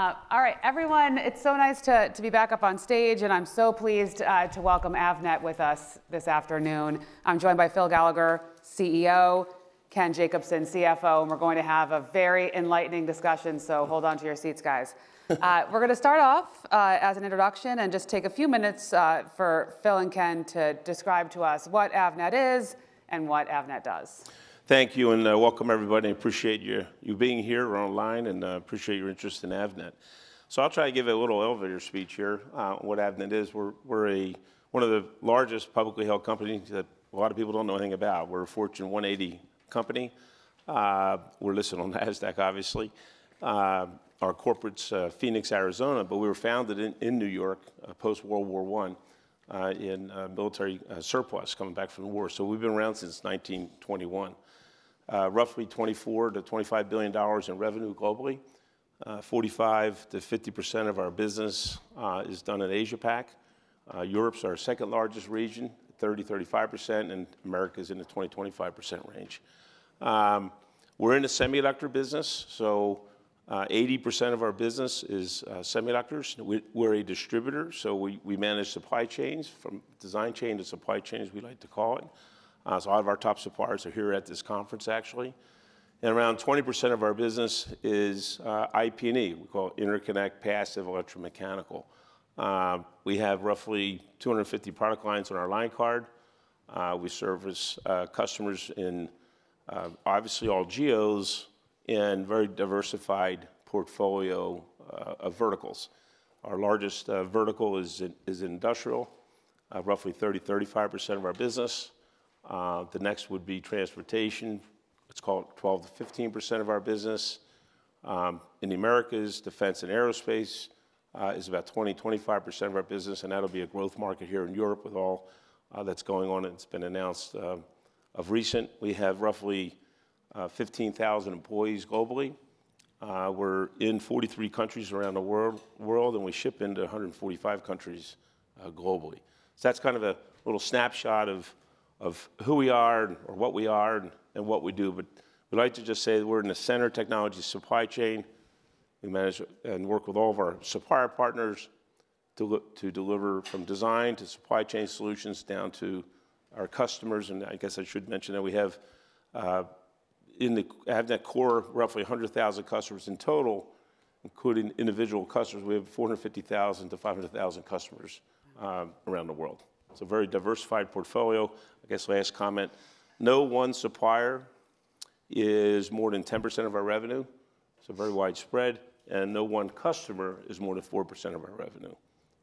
All right, everyone, it's so nice to be back up on stage, and I'm so pleased to welcome Avnet with us this afternoon. I'm joined by Phil Gallagher, CEO, Ken Jacobson, CFO, and we're going to have a very enlightening discussion, so hold on to your seats, guys. We're going to start off as an introduction and just take a few minutes for Phil and Ken to describe to us what Avnet is and what Avnet does. Thank you, and welcome, everybody. Appreciate you being here or online, and appreciate your interest in Avnet. So I'll try to give a little elevator speech here on what Avnet is. We're one of the largest publicly held companies that a lot of people don't know anything about. We're a Fortune 180 company. We're listed on NASDAQ, obviously. Our corporate's Phoenix, Arizona, but we were founded in New York post-World War I in military surplus coming back from the war. So we've been around since 1921. Roughly $24-$25 billion in revenue globally. 45%-50% of our business is done in Asia-Pac. Europe's our second largest region, 30%-35%, and America's in the 20%-25% range. We're in a semiconductor business, so 80% of our business is semiconductors. We're a distributor, so we manage supply chains, from design chain to supply chains, we like to call it. So a lot of our top suppliers are here at this conference, actually. And around 20% of our business is IP&E. We call it interconnect passive electromechanical. We have roughly 250 product lines on our line card. We service customers in, obviously, all geos and very diversified portfolio of verticals. Our largest vertical is industrial, roughly 30%-35% of our business. The next would be transportation. Let's call it 12%-15% of our business. In the Americas, defense and aerospace is about 20%-25% of our business, and that'll be a growth market here in Europe with all that's going on that's been announced of recent. We have roughly 15,000 employees globally. We're in 43 countries around the world, and we ship into 145 countries globally. So that's kind of a little snapshot of who we are and what we are and what we do. But we'd like to just say that we're in the center of technology supply chain. We manage and work with all of our supplier partners to deliver from design to supply chain solutions down to our customers. And I guess I should mention that we have, in the Avnet core, roughly 100,000 customers in total, including individual customers. We have 450,000-500,000 customers around the world. It's a very diversified portfolio. I guess last comment: no one supplier is more than 10% of our revenue. It's very widespread, and no one customer is more than 4% of our revenue.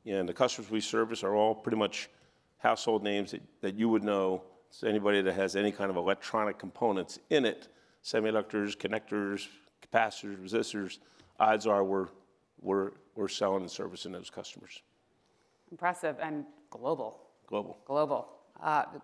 And the customers we service are all pretty much household names that you would know. So anybody that has any kind of electronic components in it, semiconductors, connectors, capacitors, resistors, odds are we're selling and servicing those customers. Impressive and global. Global. Global.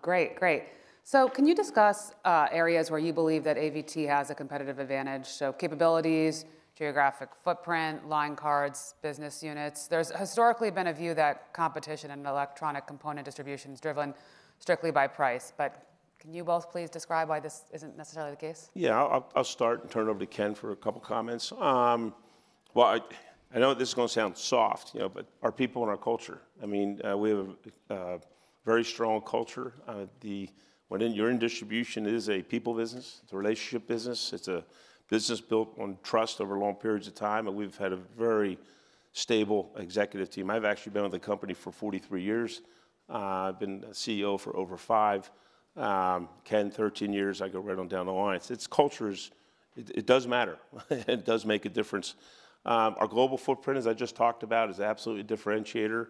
Great, great. So can you discuss areas where you believe that AVT has a competitive advantage? So capabilities, geographic footprint, line cards, business units. There's historically been a view that competition in electronic component distribution is driven strictly by price. But can you both please describe why this isn't necessarily the case? Yeah, I'll start and turn it over to Ken for a couple of comments. Well, I know this is going to sound soft, but our people and our culture. I mean, we have a very strong culture. When you're in distribution, it is a people business. It's a relationship business. It's a business built on trust over long periods of time. And we've had a very stable executive team. I've actually been with the company for 43 years. I've been CEO for over five, Ken, 13 years. I go right on down the line. It's cultures. It does matter. It does make a difference. Our global footprint, as I just talked about, is absolutely a differentiator.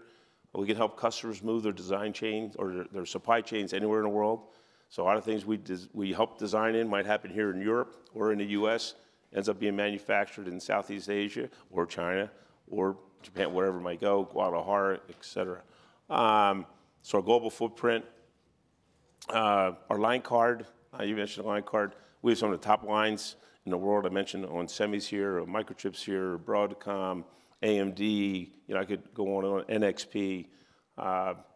We can help customers move their design chains or their supply chains anywhere in the world. So a lot of things we help design in might happen here in Europe or in the U.S. It ends up being manufactured in Southeast Asia or China or Japan, wherever it might go, Guadalajara, et cetera. So our global footprint. Our line card, you mentioned the line card. We have some of the top lines in the world. I mentioned Onsemi's here, Microchip's here, Broadcom, AMD, you know, I could go on and on, NXP,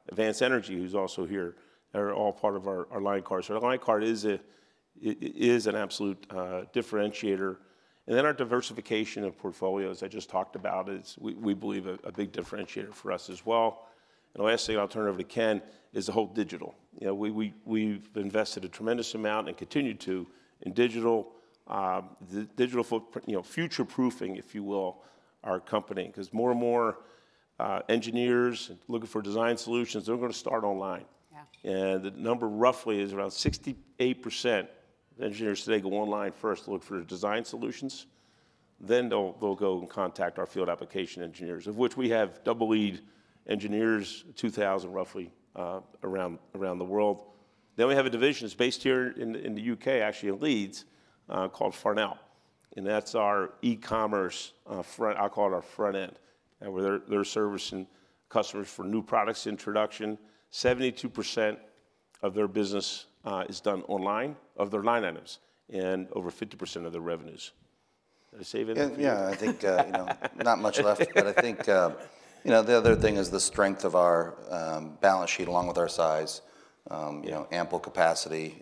Advanced Energy, who's also here, are all part of our line card. So our line card is an absolute differentiator. And then our diversification of portfolios, as I just talked about, is, we believe, a big differentiator for us as well. And lastly, I'll turn it over to Ken, is the whole digital. You know, we've invested a tremendous amount and continue to in digital. Digital footprint, you know, future-proofing, if you will, our company. Because more and more engineers looking for design solutions, they're going to start online. The number roughly is around 68% of engineers today go online first to look for design solutions. Then they'll go and contact our field application engineers, of which we have EE engineers, 2,000 roughly around the world. Then we have a division that's based here in the U.K., actually in Leeds, called Farnell. And that's our e-commerce, I'll call it our front end, where they're servicing customers for new products, introduction. 72% of their business is done online of their line items and over 50% of their revenues. Did I save anything? Yeah, I think, you know, not much left, but I think, you know, the other thing is the strength of our balance sheet along with our size, you know, ample capacity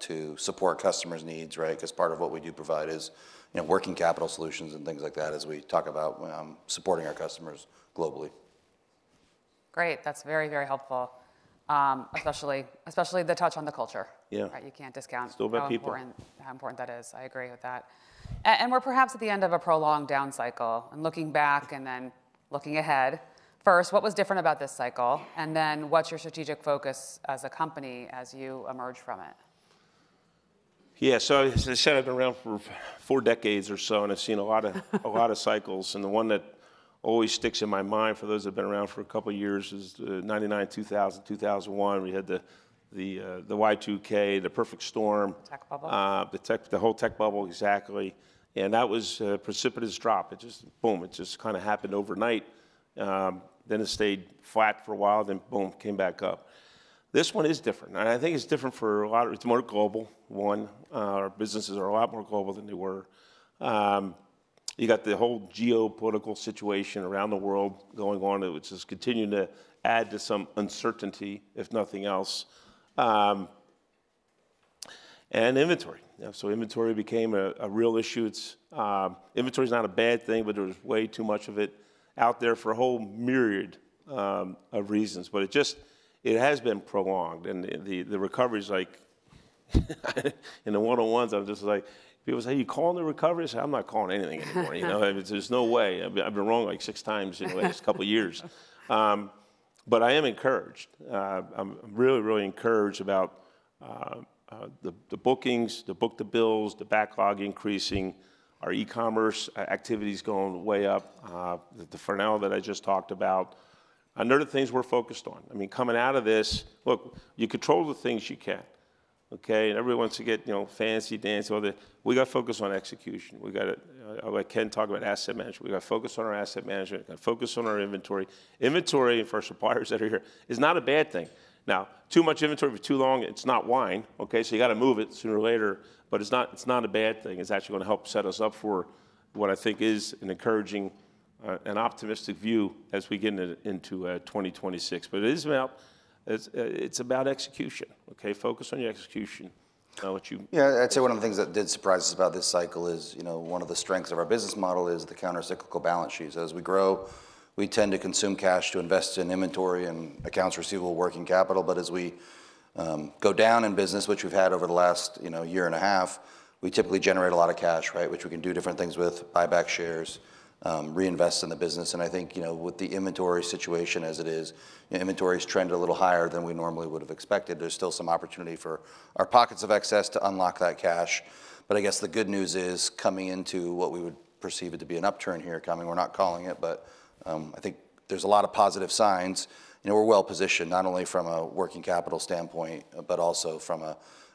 to support customers' needs, right? Because part of what we do provide is, you know, working capital solutions and things like that as we talk about supporting our customers globally. Great. That's very, very helpful, especially the touch on the culture. Yeah. Right, you can't discount how important that is. I agree with that. And we're perhaps at the end of a prolonged down cycle. And looking back and then looking ahead, first, what was different about this cycle? And then what's your strategic focus as a company as you emerge from it? Yeah, so as I said, I've been around for four decades or so and I've seen a lot of cycles. And the one that always sticks in my mind for those that have been around for a couple of years is 1999, 2000, 2001. We had the Y2K, the perfect storm. Tech bubble. The whole tech bubble, exactly. And that was a precipitous drop. It just, boom, it just kind of happened overnight. Then it stayed flat for a while, then boom, came back up. This one is different. And I think it's different for a lot of, it's more global, one. Our businesses are a lot more global than they were. You got the whole geopolitical situation around the world going on. It's just continuing to add to some uncertainty, if nothing else. And inventory. So inventory became a real issue. Inventory is not a bad thing, but there was way too much of it out there for a whole myriad of reasons. But it just, it has been prolonged. And the recovery is like, in the one-on-ones, I'm just like, people say, "Are you calling the recovery?" I'm not calling anything anymore. You know, there's no way. I've been wrong like six times in the last couple of years, but I am encouraged. I'm really, really encouraged about the bookings, the book-to-bills, the backlog increasing. Our e-commerce activity is going way up. The Farnell that I just talked about, another thing we're focused on. I mean, coming out of this, look, you control the things you can, okay? Everyone wants to get, you know, fancy, dancy, all that. We got to focus on execution. We got to, like Ken talked about asset management. We got to focus on our asset management. We got to focus on our inventory. Inventory for our suppliers that are here is not a bad thing. Now, too much inventory for too long, it's not wine, okay? You got to move it sooner or later, but it's not a bad thing. It's actually going to help set us up for what I think is an encouraging and optimistic view as we get into 2026. But it is about, it's about execution, okay? Focus on your execution. Yeah, I'd say one of the things that did surprise us about this cycle is, you know, one of the strengths of our business model is the countercyclical balance sheet. So as we grow, we tend to consume cash to invest in inventory and accounts receivable working capital. But as we go down in business, which we've had over the last, you know, year and a half, we typically generate a lot of cash, right? Which we can do different things with, buy back shares, reinvest in the business. And I think, you know, with the inventory situation as it is, inventory has trended a little higher than we normally would have expected. There's still some opportunity for our pockets of excess to unlock that cash. But I guess the good news is coming into what we would perceive to be an upturn here coming, we're not calling it, but I think there's a lot of positive signs. You know, we're well positioned, not only from a working capital standpoint, but also from,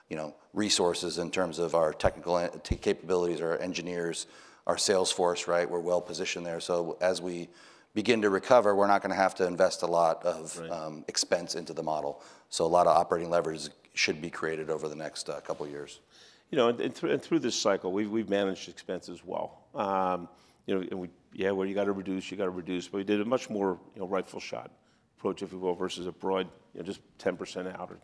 you know, resources in terms of our technical capabilities, our engineers, our sales force, right? We're well positioned there. So as we begin to recover, we're not going to have to invest a lot of expense into the model. So a lot of operating leverage should be created over the next couple of years. You know, and through this cycle, we've managed expenses well. You know, and we, yeah, where you got to reduce, you got to reduce. But we did a much more, you know, right-sized approach, if you will, versus a broad, you know, just 10% cut. Because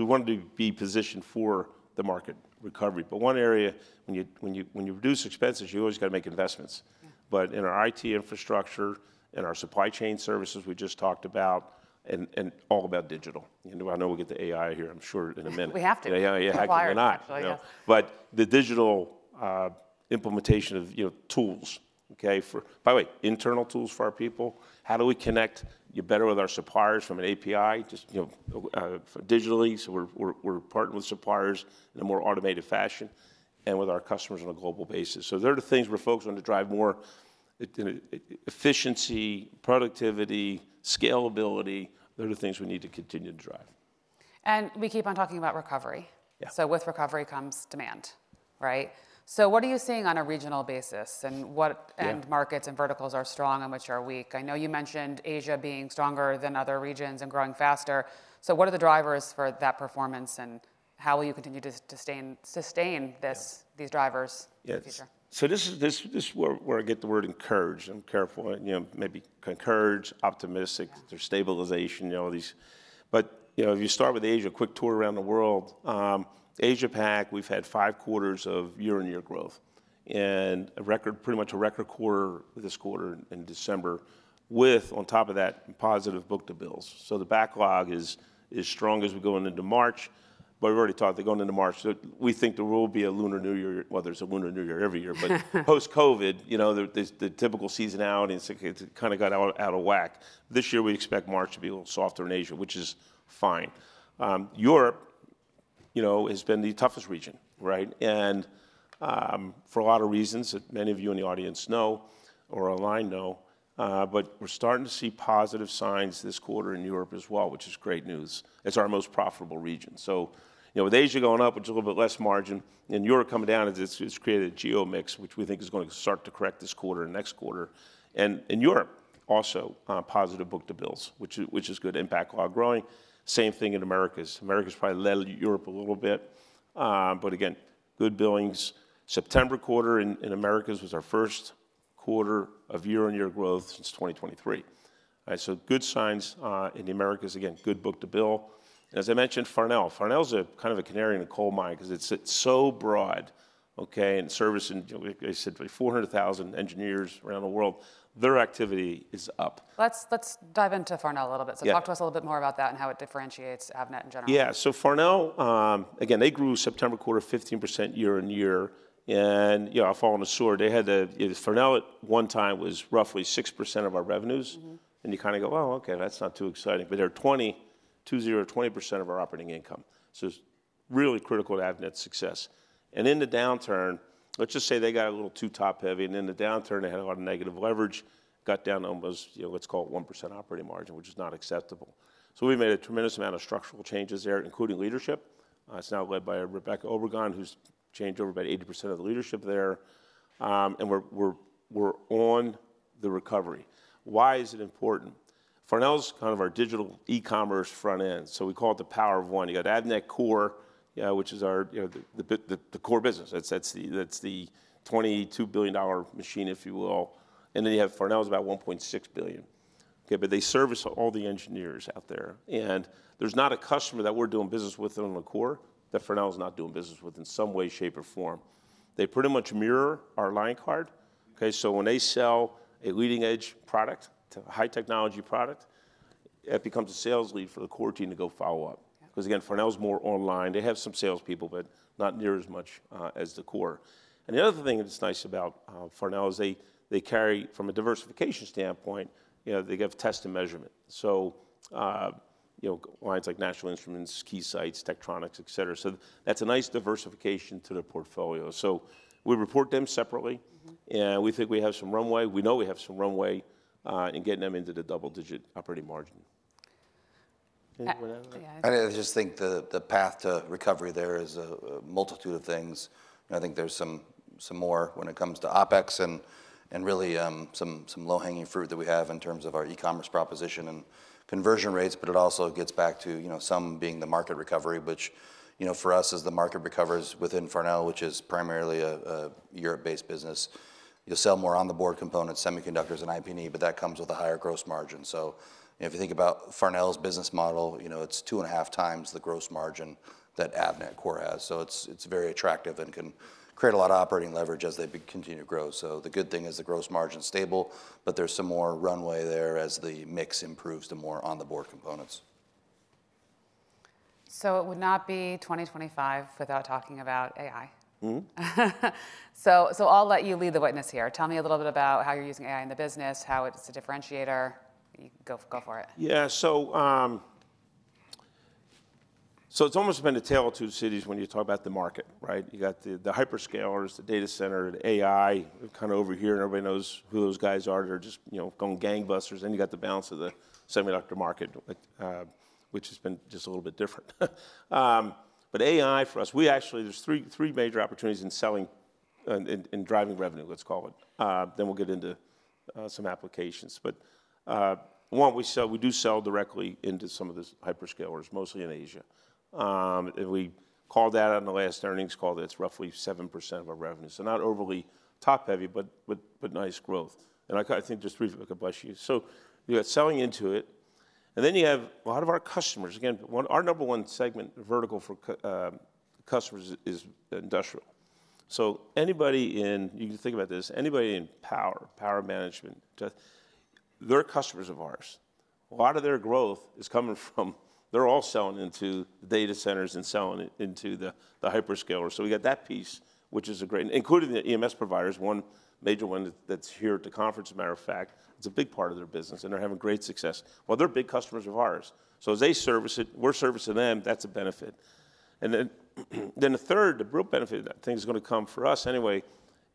we wanted to be positioned for the market recovery. But one area, when you reduce expenses, you always got to make investments. But in our IT infrastructure and our supply chain services we just talked about, and all about digital. I know we'll get the AI here, I'm sure, in a minute. We have to. Yeah, yeah. Heck or not. But the digital implementation of, you know, tools, okay? By the way, internal tools for our people. How do we connect better with our suppliers from an API, just, you know, digitally? So we're partnering with suppliers in a more automated fashion and with our customers on a global basis. So they're the things we're focused on to drive more efficiency, productivity, scalability. They're the things we need to continue to drive. And we keep on talking about recovery. So with recovery comes demand, right? So what are you seeing on a regional basis? And what markets and verticals are strong and which are weak? I know you mentioned Asia being stronger than other regions and growing faster. So what are the drivers for that performance and how will you continue to sustain these drivers in the future? So this is where I get the word encouraged. I'm careful, you know, maybe encouraged, optimistic. There's stabilization, you know, all these. But, you know, if you start with Asia, a quick tour around the world. Asia-Pac, we've had five quarters of year-on-year growth and a record, pretty much a record quarter this quarter in December with, on top of that, positive book-to-bills. So the backlog is strong as we go into March. But we've already talked about going into March. So we think there will be a Lunar New Year. Well, there's a Lunar New Year every year. But post-COVID, you know, the typical seasonality kind of got out of whack. This year we expect March to be a little softer in Asia, which is fine. Europe, you know, has been the toughest region, right? For a lot of reasons that many of you in the audience know or online know. But we're starting to see positive signs this quarter in Europe as well, which is great news. It's our most profitable region. You know, with Asia going up, it's a little bit less margin. In Europe, coming down, it's created a geo mix, which we think is going to start to correct this quarter and next quarter. In Europe, also positive book-to-bill, which is good impact while growing. Same thing in Americas. America's probably led Europe a little bit. Again, good billings. September quarter in America was our first quarter of year-on-year growth since 2023. Good signs in the Americas. Again, good book-to-bill. As I mentioned, Farnell. Farnell is a kind of a canary in a coal mine because it's so broad, okay? And service, and like I said, 400,000 engineers around the world. Their activity is up. Let's dive into Farnell a little bit. So talk to us a little bit more about that and how it differentiates Avnet in general. Yeah, so Farnell, again, they grew September quarter 15% year-on-year. And, you know, I'll fall on the sword. They had the, Farnell at one time was roughly 6% of our revenues. And you kind of go, "Oh, okay, that's not too exciting." But they're 20, 20 or 20% of our operating income. So it's really critical to Avnet's success. And in the downturn, let's just say they got a little too top-heavy. And in the downturn, they had a lot of negative leverage, got down almost, you know, let's call it 1% operating margin, which is not acceptable. So we've made a tremendous amount of structural changes there, including leadership. It's now led by Rebeca Obregon, who's changed over about 80% of the leadership there. And we're on the recovery. Why is it important? Farnell's kind of our digital e-commerce front end. So we call it the power of one. You got Avnet Core, which is our, you know, the core business. That's the $22 billion machine, if you will. And then you have Farnell's about $1.6 billion. Okay, but they service all the engineers out there. And there's not a customer that we're doing business with on the core that Farnell's not doing business with in some way, shape, or form. They pretty much mirror our line card. Okay, so when they sell a leading-edge product, a high-technology product, it becomes a sales lead for the core team to go follow up. Because again, Farnell's more online. They have some salespeople, but not near as much as the core. And the other thing that's nice about Farnell is they carry, from a diversification standpoint, you know, they give test and measurement. So, you know, lines like National Instruments, Keysights, Tektronix, et cetera. So that's a nice diversification to their portfolio. So we report them separately. And we think we have some runway. We know we have some runway in getting them into the double-digit operating margin. I just think the path to recovery there is a multitude of things, and I think there's some more when it comes to OpEx and really some low-hanging fruit that we have in terms of our e-commerce proposition and conversion rates, but it also gets back to, you know, some being the market recovery, which, you know, for us is the market recovers within Farnell, which is primarily a Europe-based business. You'll sell more on-the-board components, semiconductors and IP&E, but that comes with a higher gross margin, so if you think about Farnell's business model, you know, it's two and a half times the gross margin that Avnet Core has, so it's very attractive and can create a lot of operating leverage as they continue to grow, so the good thing is the gross margin's stable, but there's some more runway there as the mix improves to more on-the-board components. So it would not be 2025 without talking about AI. So I'll let you lead the witness here. Tell me a little bit about how you're using AI in the business, how it's a differentiator. Go for it. Yeah, so it's almost been a tale of two cities when you talk about the market, right? You got the hyperscalers, the data center, the AI, kind of over here, and everybody knows who those guys are that are just, you know, going gangbusters, then you got the balance of the semiconductor market, which has been just a little bit different, but AI for us, we actually, there's three major opportunities in selling and driving revenue, let's call it, then we'll get into some applications, but one, we do sell directly into some of the hyperscalers, mostly in Asia, and we called that on the last earnings, it's roughly 7% of our revenue, so not overly top-heavy, but nice growth, and I think just briefly, I could bless you, so you got selling into it, and then you have a lot of our customers. Again, our number one segment, the vertical for customers is industrial. So anybody in, you can think about this, anybody in power, power management, they're customers of ours. A lot of their growth is coming from, they're all selling into the data centers and selling into the hyperscalers. So we got that piece, which is a great, including the EMS providers, one major one that's here at the conference, as a matter of fact. It's a big part of their business, and they're having great success. Well, they're big customers of ours. So as they service it, we're servicing them, that's a benefit. And then a third, the real benefit that thing is going to come for us anyway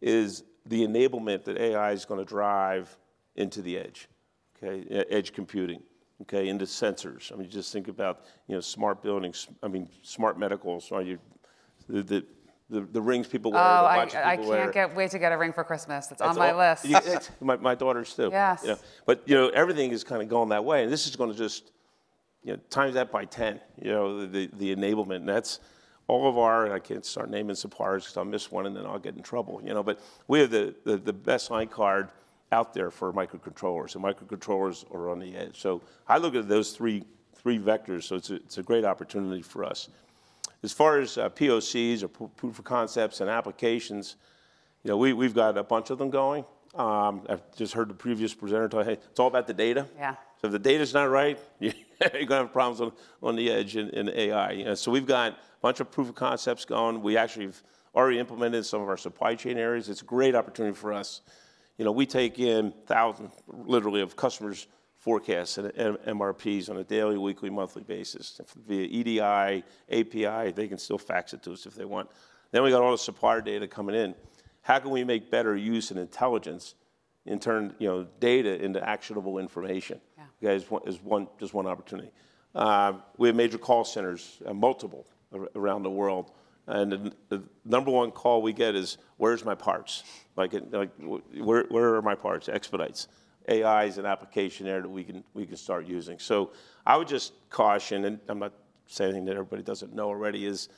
is the enablement that AI is going to drive into the edge, okay? Edge computing, okay? Into sensors. I mean, just think about, you know, smart buildings. I mean, smart medicals, the rings people want to watch at work. Oh, I can't wait to get a ring for Christmas. It's on my list. My daughter's too. Yes. But, you know, everything is kind of going that way. And this is going to just, you know, times that by 10, you know, the enablement. And that's all of our, I can't start naming suppliers because I'll miss one, and then I'll get in trouble, you know. But we have the best line card out there for microcontrollers. And microcontrollers are on the edge. So I look at those three vectors. So it's a great opportunity for us. As far as POCs or proof of concepts and applications, you know, we've got a bunch of them going. I've just heard the previous presenter talk. It's all about the data. Yeah. So if the data's not right, you're going to have problems on the edge in AI. So we've got a bunch of proof of concepts going. We actually have already implemented some of our supply chain areas. It's a great opportunity for us. You know, we take in thousands, literally, of customers' forecasts and MRPs on a daily, weekly, monthly basis. Via EDI, API, they can still fax it to us if they want. Then we got all the supplier data coming in. How can we make better use and intelligence, in turn, you know, data into actionable information? Yeah. Okay, it's just one opportunity. We have major call centers, multiple around the world. And the number one call we get is, "Where's my parts?" Like, "Where are my parts?" Expedites. AI is an application area that we can start using. So I would just caution, and I'm not saying that everybody doesn't know already, is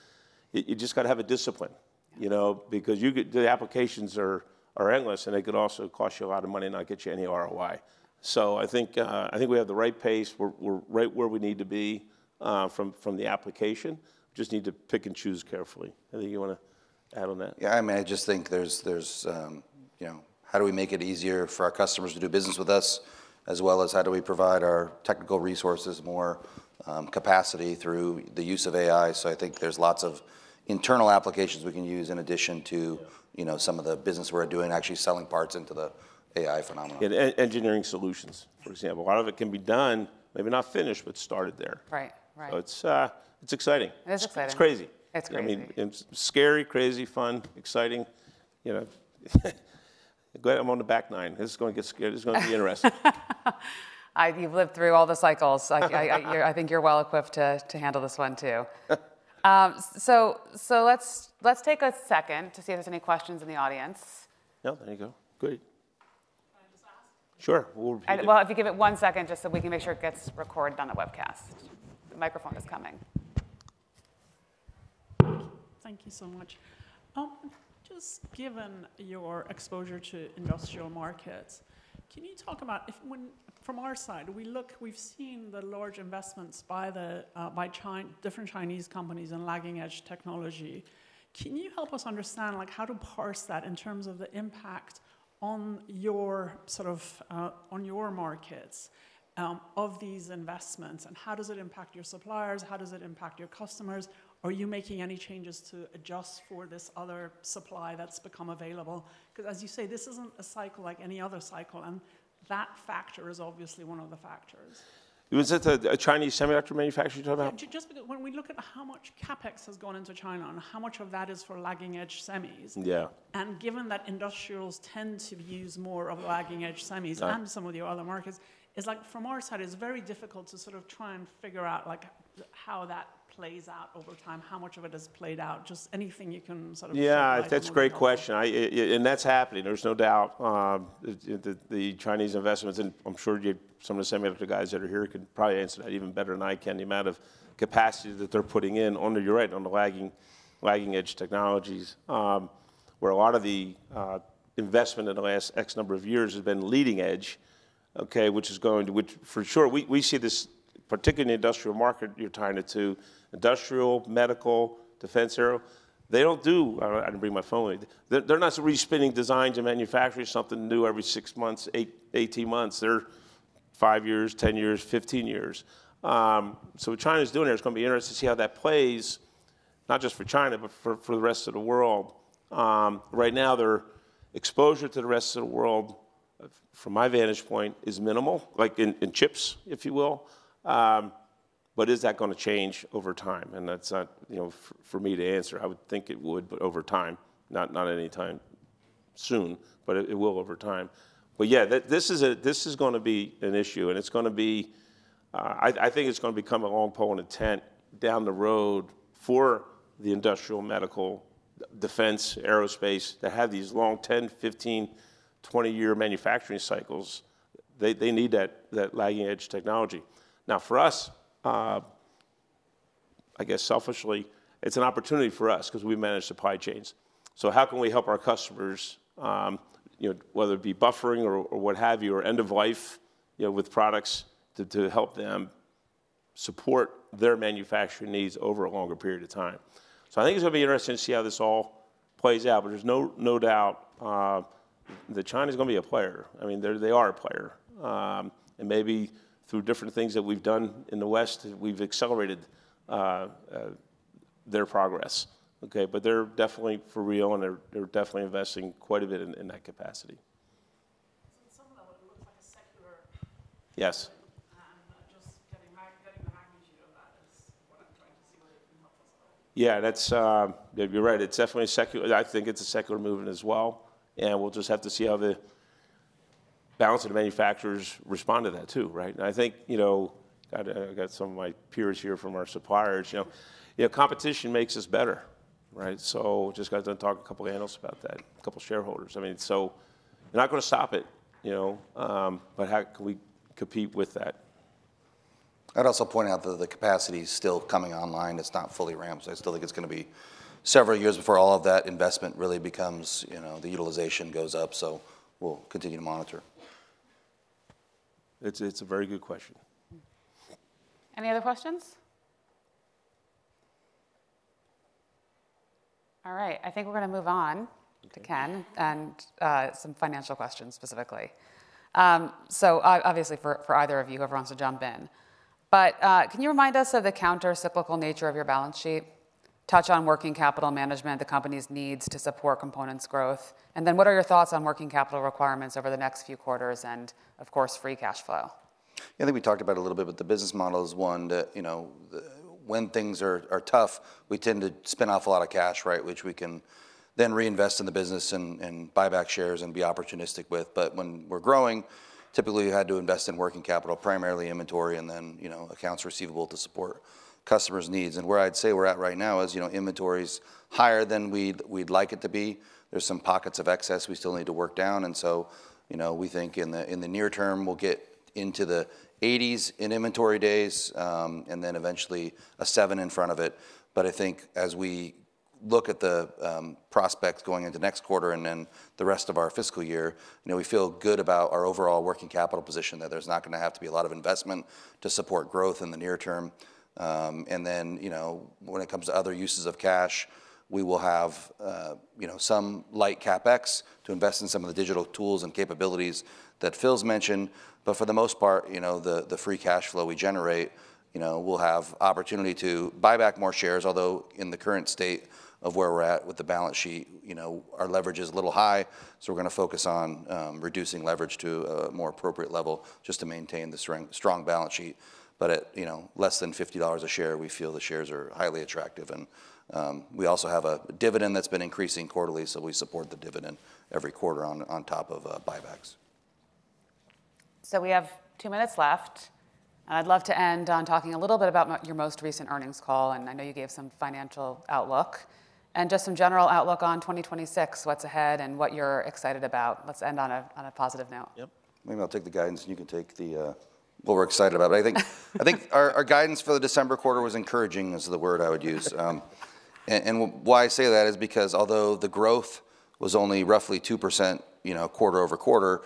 you just got to have a discipline, you know, because the applications are endless, and they could also cost you a lot of money and not get you any ROI. So I think we have the right pace. We're right where we need to be from the application. Just need to pick and choose carefully. I think you want to add on that? Yeah, I mean, I just think there's, you know, how do we make it easier for our customers to do business with us, as well as how do we provide our technical resources more capacity through the use of AI? So I think there's lots of internal applications we can use in addition to, you know, some of the business we're doing, actually selling parts into the AI phenomenon. Yeah, engineering solutions, for example. A lot of it can be done, maybe not finished, but started there. Right, right. So it's exciting. It is exciting. It's crazy. It's crazy. I mean, scary, crazy, fun, exciting. You know, glad I'm on the back nine. This is going to get scary. This is going to be interesting. You've lived through all the cycles. I think you're well equipped to handle this one too. So let's take a second to see if there's any questions in the audience. No, there you go. Great. Can I just ask? Sure. We'll review that. Well, if you give it one second just so we can make sure it gets recorded on the webcast. The microphone is coming. Thank you so much. Just given your exposure to industrial markets, can you talk about, from our side, we look, we've seen the large investments by different Chinese companies and lagging-edge technology? Can you help us understand, like, how to parse that in terms of the impact on your sort of, on your markets of these investments? And how does it impact your suppliers? How does it impact your customers? Are you making any changes to adjust for this other supply that's become available? Because, as you say, this isn't a cycle like any other cycle. And that factor is obviously one of the factors. Was that a Chinese semiconductor manufacturer you're talking about? Just because when we look at how much CapEx has gone into China and how much of that is for lagging-edge semis. Yeah. Given that industrials tend to use more of lagging-edge semis and some of the other markets, it's like, from our side, it's very difficult to sort of try and figure out, like, how that plays out over time, how much of it has played out. Just anything you can sort of. Yeah, that's a great question. And that's happening. There's no doubt that the Chinese investments, and I'm sure some of the semiconductor guys that are here could probably answer that even better than I can, the amount of capacity that they're putting in on the, you're right, on the lagging-edge technologies, where a lot of the investment in the last X number of years has been leading-edge, okay, which is going to, which for sure, we see this, particularly in the industrial market you're tying it to, industrial, medical, defense aero. They don't do, I didn't bring my phone with me. They're not really spending designs and manufacturing something new every six months, 18 months. They're five years, 10 years, 15 years. So what China is doing here, it's going to be interesting to see how that plays, not just for China, but for the rest of the world. Right now, their exposure to the rest of the world, from my vantage point, is minimal, like in chips, if you will. But is that going to change over time? And that's not, you know, for me to answer. I would think it would, but over time, not anytime soon, but it will over time. But yeah, this is going to be an issue. And it's going to be, I think it's going to become a long pole in the tent down the road for the industrial, medical, defense, aerospace that have these long 10-, 15-, 20-year manufacturing cycles. They need that lagging-edge technology. Now, for us, I guess selfishly, it's an opportunity for us because we manage supply chains. So how can we help our customers, you know, whether it be buffering or what have you, or end of life, you know, with products to help them support their manufacturing needs over a longer period of time? So I think it's going to be interesting to see how this all plays out. But there's no doubt that China is going to be a player. I mean, they are a player. And maybe through different things that we've done in the West, we've accelerated their progress. Okay, but they're definitely for real, and they're definitely investing quite a bit in that capacity. It's something that looks like a secular. Yes. Just getting the magnitude of that is what I'm trying to see whether it can help us at all. Yeah, that's, you're right. It's definitely a secular, I think it's a secular movement as well. And we'll just have to see how the balance of the manufacturers respond to that too, right? And I think, you know, I got some of my peers here from our suppliers, you know, competition makes us better, right? So just got done talking to a couple of analysts about that, a couple of shareholders. I mean, so you're not going to stop it, you know, but how can we compete with that? I'd also point out that the capacity is still coming online. It's not fully ramped. I still think it's going to be several years before all of that investment really becomes, you know, the utilization goes up. So we'll continue to monitor. It's a very good question. Any other questions? All right. I think we're going to move on to Ken and some financial questions specifically. So obviously for either of you, whoever wants to jump in. But can you remind us of the countercyclical nature of your balance sheet? Touch on working capital management, the company's needs to support components growth. And then what are your thoughts on working capital requirements over the next few quarters and, of course, free cash flow? Yeah, I think we talked about it a little bit, but the business model is one that, you know, when things are tough, we tend to spin off a lot of cash, right, which we can then reinvest in the business and buy back shares and be opportunistic with. But when we're growing, typically you had to invest in working capital, primarily inventory, and then, you know, accounts receivable to support customers' needs. And where I'd say we're at right now is, you know, inventory is higher than we'd like it to be. There's some pockets of excess we still need to work down. And so, you know, we think in the near term, we'll get into the 80s in inventory days and then eventually a 7 in front of it. But I think as we look at the prospects going into next quarter and then the rest of our fiscal year, you know, we feel good about our overall working capital position that there's not going to have to be a lot of investment to support growth in the near term. And then, you know, when it comes to other uses of cash, we will have, you know, some light CapEx to invest in some of the digital tools and capabilities that Phil's mentioned. But for the most part, you know, the free cash flow we generate, you know, we'll have opportunity to buy back more shares, although in the current state of where we're at with the balance sheet, you know, our leverage is a little high. So we're going to focus on reducing leverage to a more appropriate level just to maintain this strong balance sheet. But at, you know, less than $50 a share, we feel the shares are highly attractive. And we also have a dividend that's been increasing quarterly, so we support the dividend every quarter on top of buybacks. We have two minutes left. I'd love to end on talking a little bit about your most recent earnings call. I know you gave some financial outlook and just some general outlook on 2026, what's ahead and what you're excited about. Let's end on a positive note. Yep. Maybe I'll take the guidance and you can take the, what we're excited about. But I think our guidance for the December quarter was encouraging. Is the word I would use. And why I say that is because although the growth was only roughly 2%, you know, quarter over quarter,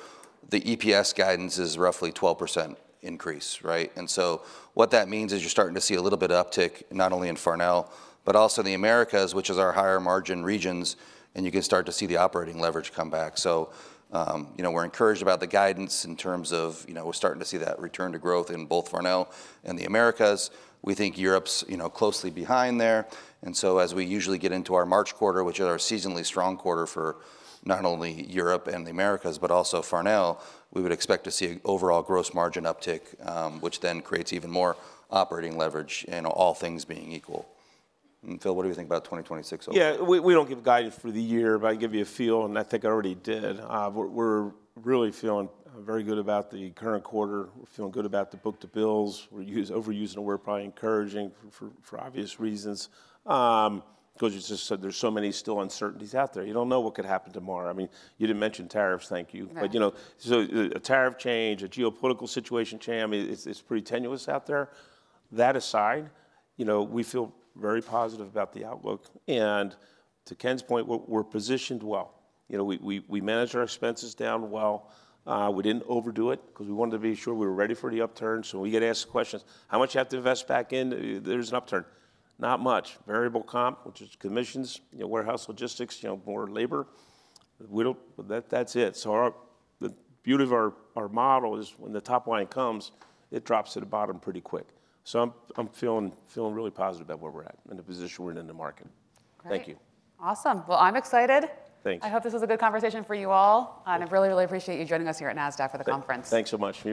the EPS guidance is roughly 12% increase, right? And so what that means is you're starting to see a little bit of uptick, not only in Farnell, but also the Americas, which is our higher margin regions. And you can start to see the operating leverage come back. So, you know, we're encouraged about the guidance in terms of, you know, we're starting to see that return to growth in both Farnell and the Americas. We think Europe's, you know, closely behind there. And so as we usually get into our March quarter, which is our seasonally strong quarter for not only Europe and the Americas, but also Farnell, we would expect to see an overall gross margin uptick, which then creates even more operating leverage, you know, all things being equal. And Phil, what do you think about 2026? Yeah, we don't give guidance for the year, but I give you a feel, and I think I already did. We're really feeling very good about the current quarter. We're feeling good about the book-to-bills. We're overusing the word probably encouraging for obvious reasons. Because you just said there's so many still uncertainties out there. You don't know what could happen tomorrow. I mean, you didn't mention tariffs, thank you. But, you know, so a tariff change, a geopolitical situation change, I mean, it's pretty tenuous out there. That aside, you know, we feel very positive about the outlook. And to Ken's point, we're positioned well. You know, we managed our expenses down well. We didn't overdo it because we wanted to be sure we were ready for the upturn. So when we get asked questions, how much do you have to invest back in? There's an upturn. Not much. Variable comp, which is commissions, you know, warehouse logistics, you know, more labor. That's it. So the beauty of our model is when the top line comes, it drops to the bottom pretty quick. So I'm feeling really positive about where we're at and the position we're in in the market. Thank you. Awesome. Well, I'm excited. Thanks. I hope this was a good conversation for you all. I really, really appreciate you joining us here at NASDAQ for the conference. Thanks so much.